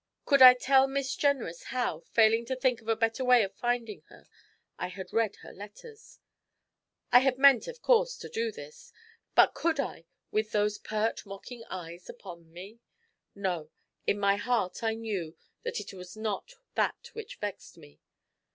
Could I tell Miss Jenrys how, failing to think of a better way of finding her, I had read her letters? I had meant, of course, to do this; but could I, with those pert, mocking eyes upon me? No; in my heart I knew that it was not that which vexed me.